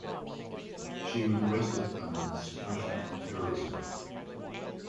She was arrested under the Suppression of Terrorism Act.